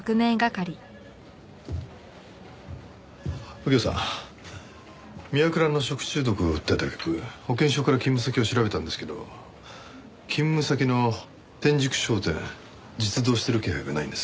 右京さんみやくらの食中毒を訴えた客保険証から勤務先を調べたんですけど勤務先の天竺商店実働してる気配がないんです。